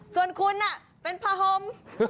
ส่วนคุณน่ะเป็นผาโฮม